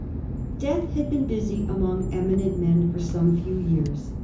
Death had been busy among eminent men for some few years.